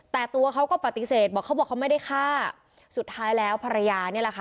แต่ตัวเขาก็ปฏิเสธบอกเขาบอกเขาไม่ได้ฆ่าสุดท้ายแล้วภรรยานี่แหละค่ะ